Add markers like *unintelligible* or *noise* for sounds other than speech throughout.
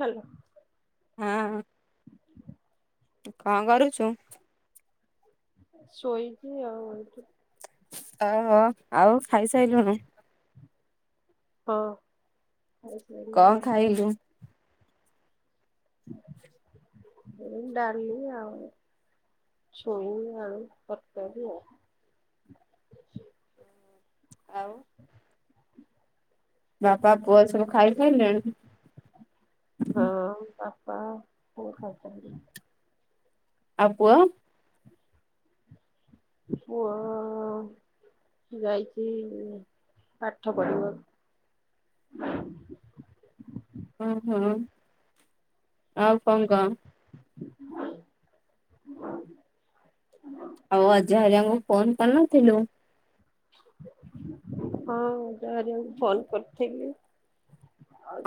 Hello. ହଁ କଣ କରୁଛୁ? ଶୋଇଛି ଆଉ। ଓହୋ ଆଉ ଖାଇସାରିଲୁଣି। ହଁ। କଣ ଖାଇଲୁ? ଏ ଡାଲି ଆଉ। ଛୁଇଁ ଆଳୁ ତରକାରୀ ଆଉ। ଆଉ ବାପା ପୁଅ ସବୁ ଖାଇସାଇଲେଣି। ହଁ ବାପା ପୁଅ ଖାଇ ସାଇଲେଣି। ଆଉ ପୁଅ। ପୁଅ ଯାଇଛି ପାଠ ପଢିବାକୁ। ଓହୋ ଆଉ କଣ କହ। ଆଉ ଅଜା ହେରିକାଙ୍କୁ ଫୋନ କରିନଥିଲୁ। ହଁ ଅଜା ହେରିକାଙ୍କୁ ଫୋନ୍ କରିଥିଲି।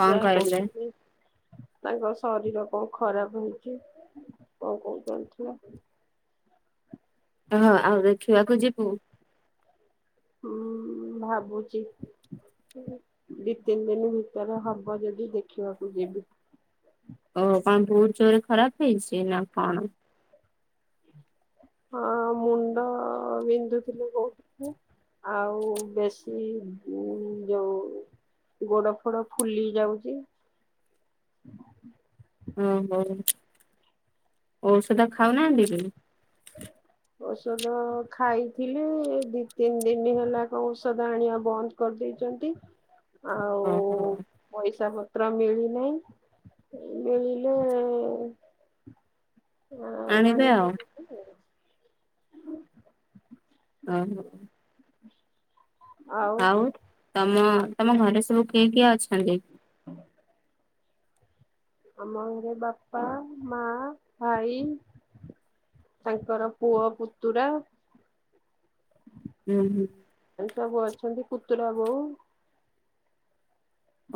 କଣ କହିଲେ? କୋଉଠି କି? ତାଙ୍କ ଶରୀର କଣ ଖରାପ ହେଇଛି କଁ *unintelligible* ହଁ ଆଉ ଦେଖିବାକୁ ଯିବୁ। ହୁଁ ଭାବୁଛି। ଦି ତିନି ଦିନ ଭିତରେ ହବ ଯଦି ଦେଖିବାକୁ ଯିବି। ଓ କଣ ବହୁତ ଜୋରେ ଖରାପ ହେଇଛି ନା କଣ। ହଁ ମୁଣ୍ଡବିନ୍ଧୁଥିଲି କହୁଥିଲେ। ଆଉ ବେଶୀ ଯୋଉ ଗୋଡ ଫୋଡ ଫୁଲି ଯାଉଛି। ଓହୋ ଔଷଧ ଖାଉନାହାନ୍ତିିକି? *unintelligible* ଔଷଧ ଖାଇଥିଲେ ଦି ତିନି ଦିନ ହେଲା କଣ ଔଷଧ ଆଣିବା ବନ୍ଦ କରିଦେଇଛନ୍ତି ଆଉ ଓହୋ। ପଇସା ପତ୍ର ମିଳି ନେଇଁ ମିଳିଲେ ଆଣିବେ ଆଣିବି ଆଉ। ଓହୋ। ଆଉ ତମ ତମ ଘରେ ସବୁ କିଏ କିଏ ଅଛନ୍ତି? ହଁ ଆମ ଘରେ ବାପା ମା ଭାଇ ତାଙ୍କର ପୁଅ ପୁତୁରା। ହୁଁ ହୁଁ। ଏ ସବୁ ଅଛନ୍ତି ପୁତୁରା ବୋଉ।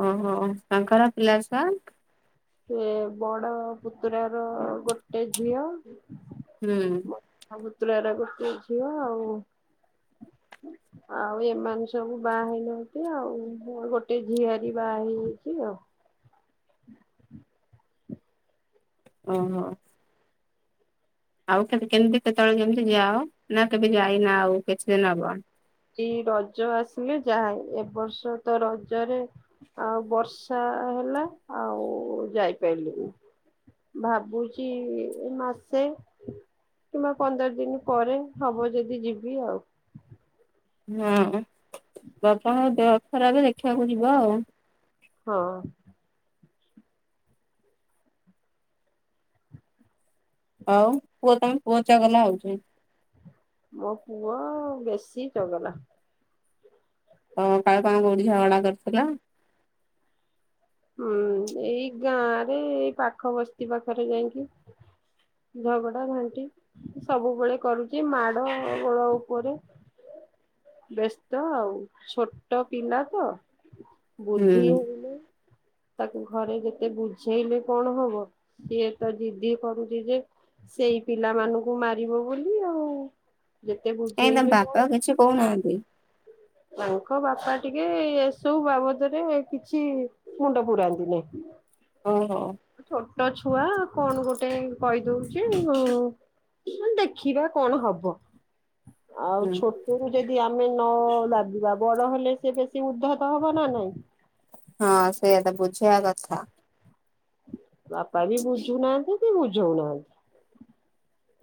ଓହୋ ତାଙ୍କର ପିଲାଛୁଆ? ସେ ବଡ ପୁତୁର ର ଗୋଟେ ଝିଅ ହୁଁ। *unintelligible* ବୁତୁରାର ଗୋଟେ ଝିଅ ଆଉ ଆଉ ଏମାନେ ସବୁ ବାହା ହେଇ ନାହାନ୍ତି ଆଉ ଗୋଟେ ଝିଆରୀ ବାହା ହେଇଯାଇଛି ଆଉ? ଓହୋ। ଆଉ କାଲି କେମିତି କେତେବେଳେ କେମିତି ଯାଅ ନା କେବେ ଯାଇନା ଆଉ କିଛି ଦିନ ହବ। କି ରଜ ଆସିଲେ ଯାଏ ଏ ବର୍ଷ ତ ରଜରେ ଆଉ ବର୍ଷା ହେଲା ଆଉ ଯାଇ ପାଇଲିନି। ଭାବୁଛି ଏ ମାସେ କିମ୍ବା ପନ୍ଦର ଦିନ ପରେ ହବ ଯଦି ଯିବି ଆଉ। ହଁ ବାପାଙ୍କ ଦେହ ଖରାପ ଦେଖିବାକୁ ଯିବ ଆଉ। ହଁ। ଆଉ ପୁଅ ତମ ପୁଅ ଚଗଲା ହଉଛି। ମୋ ପୁଅ ବେଶୀ ଚଗଲା। ହଁ *unintelligible* କରିଥିଲା। ହୁଁ ଏଇ ଗାଁରେ ଏଇ ପାଖ ବସ୍ତି ପାଖରେ ଯାଇକି ଝଗଡ଼ା ଘାଣ୍ଟି ସବୁବେଳେ କରୁଛି ମାଡ ଗୋଳ ଉପରେ ବ୍ୟସ୍ତ ଆଉ ଛୋଟ ପିଲା ତ ବୁଦ୍ଧି ହୁଁ ହେଇନି। ତାକୁ ଘରେ ଯେତେ ବୁଝେଇଲେ କଣ ହବ ସିଏ ତ ଜିଦି କରୁଛି ଯେ ସେଇ ପିଲାମାନଙ୍କୁ ମାରିବ ବୋଲି ଆଉ ଯେତେ କାଇଁ ତମ ବୁଝେଇଲେ କଣ ବାପା କିଛି କହୁନାହାନ୍ତି। ତାଙ୍କ ବାପା ଟିକେ ଏସବୁ ବାବଦରେ କିଛି ମୁଣ୍ଡା ପୁରାନ୍ତି ନେଇ ଓହୋ। ଛୋଟ ଛୁଆ କଣ ଗୋଟେ କହି ଦଉଛି ଓ ଦେଖିବା କଣ ହବ ହୁଁ ଆଉ ଛୋଟରୁୁ ଯଦି ଆମେ ନ ଲାଗିବା ବଡ ହେଲେ ସେ ବେଶୀ ଉଦ୍ଧତ ହବ ନା ନାଇଁ। ହଁ ସେୟା ତ ବୁଝେଇବା କଥା। ବାପା ବି ବୁଝୁ ନାହାନ୍ତି କି ବୁଝଉ ନାହାନ୍ତି।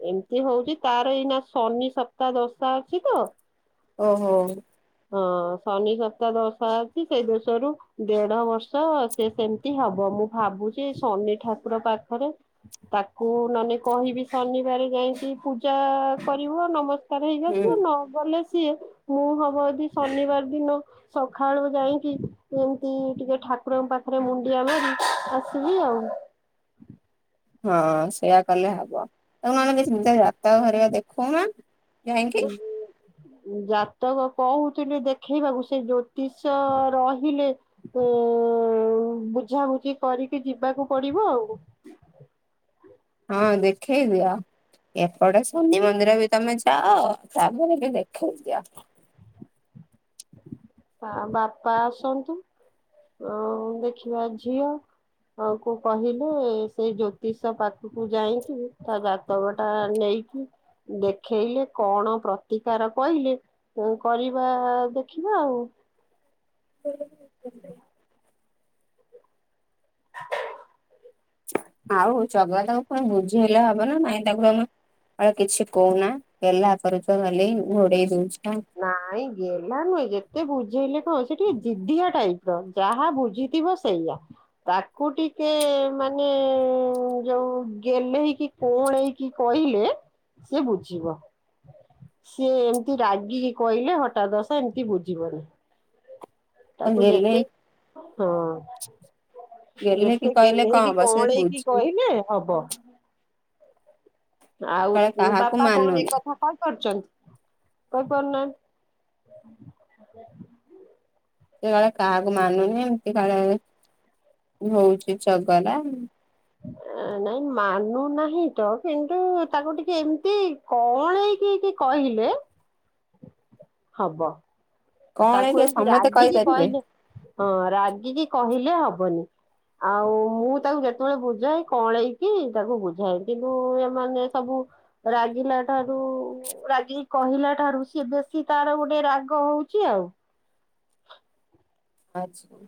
ଏମିତି ହଉଛିି ତାର ଏଇନା ଶନି ସପ୍ତା ଦଶା ଅଛି ତ ଓହୋ। ହଁ ଶନି ସପ୍ତାହ ଦଶା ଅଛି ସେଇ ଦେଶରୁ ଦେଢ ବର୍ଷ ସେ ସେମିତି ହବ ମୁଁ ଭାବୁଛି ଶନି ଠାକୁର ପାଖରେ ତାକୁ ନେଲେ କହିବି ଶନିବାର ଯାଇକି ପୂଜା କରିବୁ ଆ ନବ ହେଇକି ହୁଁ। ଆସିବ ନ ଗଲେ ସିଏ ମୁଁ ହବ ଯଦି ଶନିବାର ଦିନ ସକାଳୁ ଯାଇକି ଏମିତି ଟିକେ ଠାକୁରଙ୍କ ପାଖରେ ମୁଣ୍ଡିଆ ମାରି ଆସିବି ଆଉ। ହଁ ସେଇୟା କଲେ ହବ *unintelligible* ଦେଖଉନ ହୁଁ। ଜାତକ କହୁଥିଲେ ଦେଖେଇବାକୁ ସେ ଜ୍ୟୋତିଷ ରହିଲେ ହଁ ଆଉ ବୁଝା ବୁଝି କରିକି ଯିବାକୁ ପଡିବ ଆଉ। ହଁ, ଦେଖେଇ ଦିଅ ଏପଟେ ଶନି ମନ୍ଦିର ବି ତମେ ଯାଅ ତାପରେ ବି ଦେଖଇ ଦିଅ। ଆ ବାପା ଆସନ୍ତୁ ଅ ଦେଖିବା ଝିଅ ହଁ, ଆଙ୍କୁ କହିବୁ ସେଇ ଜ୍ୟୋତିଷ ପାଖକୁ ଯାଇକି ତା ବାପା ତକଟା ନେଇକି ଦେଖେଇଲେ କଣ ପ୍ରତିକାର କହିଲେ ହଉ କରିବା କେ ଦେଖିବା ଆଉ। ହେଲେ *inaudible* *inaudible* ଆଉ ଚଗଲା ଦାକୁ କହି ବୁଝେଇଲେ ହବ ନା, ନାଇଁ ତାକୁ ଆମ ଆ କିଛି କହୁନା, ହେଲା ଆଗ ପଛ ହେଲେ ଘୋଡେଇ ଦଉଛି କାଇଁ ନାଇଁ ଗେଲ୍ହା ନୁହେଁ, ଯେତେ ବୁଝେଇଲେ କଣ ସେ ଟିକେ ଜିଦିଆ ଟାଇପ ର, ଯାହା ବୁଝିଥିବ ସେଇଆ, ତାକୁ ଟିକେ ମାନେ ଯୋଉ ଗେଲେହି କି କଅଁଳେଇ କି କହିଲେ ସିଏ ବୁଝିବ, ସିଏ ଏମିତି ରାଗି ରାଗିକି କହିଲେ ହଠା ଦଷ୍ଟ ଏମିତି ବୁଝିବନି। ତାକୁ ଗେହ୍ଲେ ଯେତେ ହଁ। ଗେହ୍ଲେ କି ଯେତେ କହିଲେ କଣ ଗେଲେଇକି ହବ ସେ କଅଁଳେଇ କି ବୁଝିଲେ କହିଲେ ହବ। ଆଉ କାଳେ ତ କାହାକୁ ବାପା କଣ ଏ ମାନୁନି କଥା କହିପାରୁଛନ୍ତି, କହି ପାରୁ ନାହାନ୍ତି। ସେତବେଳେ କାହାକୁ ମାନୁନି, ଏମିତି କାଳେ ହଉଛି ଚଗଲା। *inaudible* ନାଇଁ ମାନୁନାହିଁ ତ କିନ୍ତୁ ତାକୁ ଟିକେ ଏମିତି କଣ ହେଇକି କଅଁଳେଇ କି କହିଲେ *inaudible* ହବ। କଣ ତାକୁ କି ଏମିତି ସମସ୍ତେ ରାଗିକି କହିପାରିବେ କହିଲେ, ହଁ ରାଗିକି କହିଲେ ହବନି। ଆଉ ମୁଁ ତାକୁ ଯେତେବେଳେ ବୁଝାଏ, କଅଁଳେଇତାକୁ ବୁଝାଏ କିନ୍ତୁ ଏମାନେ ସବୁ ରାଗିଲା ଠାରୁ ରାଗି କି କହିଲା ଠାରୁ, ସିଏ ବେଶୀ ତାର ଗୋଟେ ରାଗ ହଉଛି। ଛି ଆଉ। ଆଛା।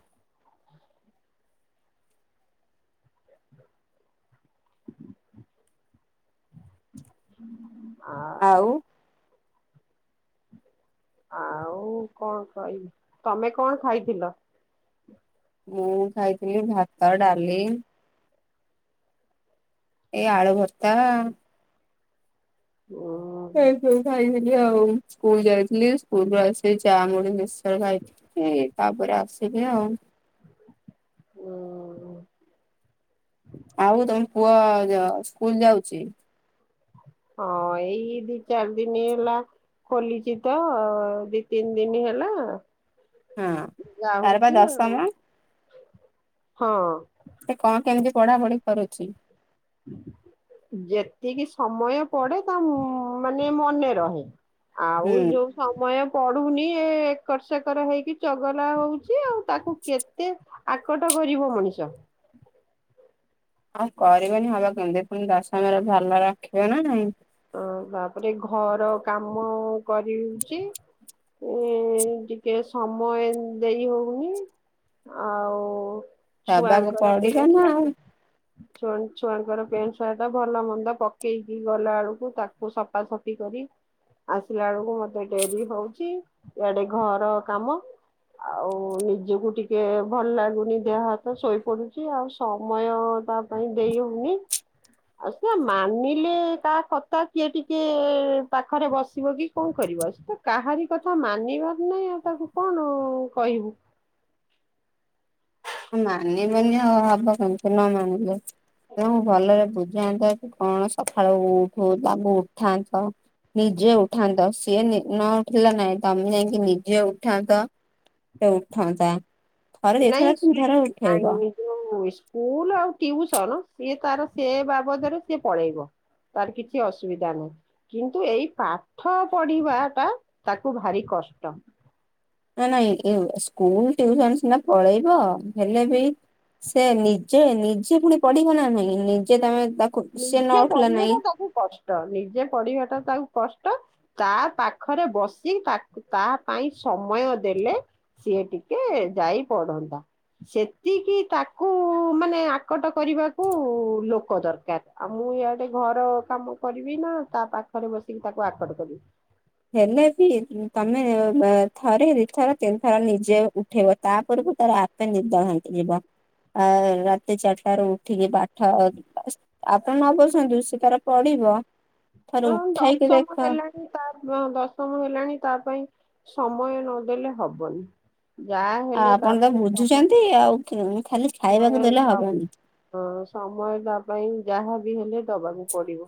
ଆ ଆଉ ଆଉ କଣ କହିବି? ତମେ କଣ ଖାଇଥିଲ? ମୁଁ ଖାଇଥିଲି ଭାତ, ଡାଲି ଏଇ ଆଳୁ ଭର୍ତ୍ତା। ଉଁ ଏଇ ଯୋଉ ଯାଇଥିଲି, ଆଉ ସ୍କୁଲ ଯାଇଥିଲି, ସ୍କୁଲ ରୁ ଆସି ଚା ମୁଡି ମିଶ୍ଚର୍ ଖାଇଥିଲି। ଏଇ ତା ପରେ ଆସିଲି ଆଉ। ହୁଁ ଉ ଆଉ ତମ ପୁଅ ସ୍କୁଲ ଯାଉଛି? ହଁ, ଏଇ ଦି ଚାରି ଦିନ ହେଲା। ଖୋଲିଛି ତ ଦି ତିନି ଦିନ ହେଲା। ହଁ। ତାର ବା ଯାଉଛି ଆଉ, ଦଶମ ହଁ। ସେ କଣ କେମିତି ପଢା ପଢି କରୁଛି? ଯେତିକି ସମୟ ପଢ଼େ, ତା ମାନେ ମନେ ରହେ। ଆଉ ହୁଁ। ଯୋଉ ସମୟ ପଢୁନି, ଏ ଏକର ସେକର ହେଇକି ଚଗଲା ହଉଛି ଆଉ ତାକୁ କେତେ ଆକଟ କରିବ ମଣିଷ। ଆଉ କରିବେନି ହବ କେମିତି? ପୁଣି ଦଶମରେ ଭଲ ରଖିବେ ନା ନାଇଁ। ଅ ତା ପରେ ଘର କାମ କରୁଚି। ଏ ଟିକେ ସମୟ ଦେଇ ହଉନି। ଆଉ ଦେବାକୁ ଛୁଆଙ୍କର ପଡିବ ପେଣ୍ଟ ନା ସାର୍ଟ ଆଉ। ଛୁ ଛୁଆଙ୍କର ପ୍ୟାଣ୍ଟ ସାର୍ଟ ଭଲ ମନ୍ଦ ପକେଇକି ଗଲା ଆଳୁ ତାକୁ ସଫାସଫି କରି ଆସିଲା ବେଳକୁ ମତେ ଡେରି ହଉଛି, ଇଆଡେ ଘର କାମ। ଆଉ ନିଜକୁ ଟିକେ ଭଲ ଲାଗୁନି ଦେହ ହାତ ଶୋଇପଡୁଛି ଆଉ, ସମୟ ତା ପାଇଁ ଦେଇ ହଉନି, ଆଉ ସେ ମାନିଲେ ତା ତା କିଏ ଟିକେ ପାଖରେ ବସିବ କି କଣ କରିବ ତ କାହାରି କଥା ମାନିବାର ନାହିଁ ଆଉ ତାକୁ କଣ କହିବୁ? ମାନିବେନି ଆଉ ହବ କେମିତି ନ ମାନିଲେ। ତ ଭଲରେ ବୁଝାନ୍ତ କି କଣ ସକାଳୁ ଉଠୁ ତାଙ୍କୁ ଉଠାନ୍ତ। ନିଜେ ଉଠାନ୍ତ ସିଏ ନ ଉଠିଲ ନାଇଁ ତମେ ଯାଇଁକି ନିଜେ ଉଠାନ୍ତ। ସେ ଉଠନ୍ତା ଥରେ ଏଥର। ଜାଣିନି। ଯୋଉ ସ୍କୁଲ ଆଉ ଟିୟୁସନ ସିଏ ତାର ସେ ବାବଦରେ ସିଏ ପଳେଇବ। ତାର କିଛି ଅସୁବିଧା ନାହିଁ। କିନ୍ତୁ ଏଇ ପାଠ ପଢିବା ଟା ତାକୁ ଭାରି କଷ୍ଟ। ନା ନାଇଁ ସ୍କୁଲ ଟୁୟୁସନ ସିନା ପଳେଇବ ହେଲେ ବି ସେ ନିଜେ ନିଜେ ପୁଣି ପଢିବ ନା ନହିଁ ନିଜେ ତମେ ତ ନିଜେ ପଢିବାଟା ତାକୁ କଷ୍ଟ ନିଜେ ପଢିବା ଟା ତାକୁ କଷ୍ଟ। ତା ପାଖରେ ବସି ତା ତା ପାଇଁ ସମୟ ଦେଲେ ସିଏ ଟିକେ ଯାଇ ପଢନ୍ତା। ସେତିକି ତାକୁ ମାନେ ଆକଟ କରିବାକୁ ଲୋକ ଦର କାର ଆଉ ମୁଁ ଇଆଡେ ଘର କାମ କରିବି ନା ତା ପାଖରେ ବସିକି ତାକୁ ଆକଟ କରିବି। ହେଲେ ବି ତମେ ଥରେ ଦିଥର ତିନିଥର ନିଜେ ଉଠେଇବ ତାପରେକୁ ତାର ଆ ନିଦ ଭାଙ୍ଗିଯିବ ଆ ରାତି ଚାରିଟାରୁ ଉଠିକି ପାଠ ଆପଣ ନ ବସନ୍ତୁ ସେ ତାର ପଢ଼ିବ ଅ ଥର ଉଠାଇକି ଦଶମ ଦେଖ। ହେଲାଣି ତା ଦଶମ ହେଲାଣି ତା ପାଇଁ ସମୟ ନଦେଲେ ହବନି। ଯାହା ଆ ହେଲେ ତା ଆପଣ ତ ପାଇଁ ସମୟ ବୁଝୁଛନ୍ତି ଆଉ ଖାଲି ସମୟ ଖାଇବାକୁ ଦେଲେ ନ ହବନି। ହଁ ସମୟ ତା ପାଇଁ ଯାହାବି ହେଲେ ଦବାକୁ ପଡିବ।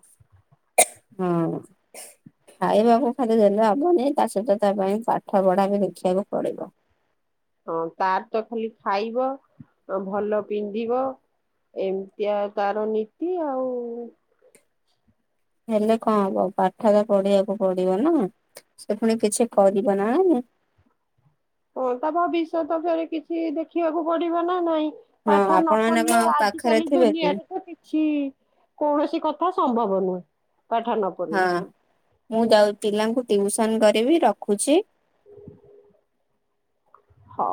ହୁଁ। ଖାଇବାକୁ ଖାଲି ଦେଲେ ହବନି ତା ସହିତ ତା ପାଇଁ ପାଠ ପଢା ବି ଦେଖିବାକୁ ପଡିବ। ହଁ ତାର ତ ଖାଲି ଖାଇବ ଭଲ ପିନ୍ଧିବ। ଏମିତିଆ ତାର ନୀତି ଆଉ। ହେଲେ କଣ ହବ ପାଠ ତ ପଢିବାକୁ ପଡିବ ନା ସେ ପୁଣି କିଛି କରିବ ନା। ହଁ ତା ଭବିଷ୍ୟତ ଫେରେ କିଛି ଦେଖିବାକୁ ପଡିବ ନା ନାଇଁ। ପାଠ ନ ଆପଣ ମାନେ ପଢିଲେ କଣ ଆଉ ପାଖରେ ଆଜିିକାଲି ଥିବେ କି? ଦୁନିଆରେ ତ କିଛି କୌଣସି କଥା ସମ୍ଭବ ନୁହେଁ ପାଠ ନ ହଁ ପଢିଲେ। ମୁଁ ଯାଉ ପିଲାଙ୍କୁ ଟିଉସନ କରିବି ରଖୁଛି। ହଁ।